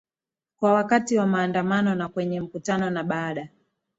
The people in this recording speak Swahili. kwa wakati wa maandamano na kwenye mkutano na baada